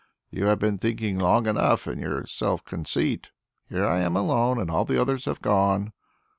You have been thinking long enough in your self conceit, 'Here I am alone, and all the others have gone.'"